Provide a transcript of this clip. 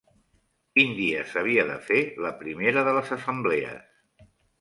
Quin dia s'havia de fer la primera de les Assemblees?